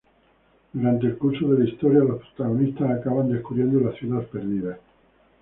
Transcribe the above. Durante el curso de la historia los protagonistas acaban descubriendo la ciudad perdida.